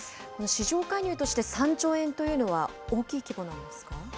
市場介入として３兆円というのは、大きい規模なんですか？